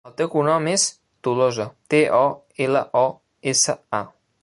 El seu cognom és Tolosa: te, o, ela, o, essa, a.